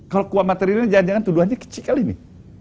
kalau kuah materialnya jangan jangan tuduhannya kecil kali ini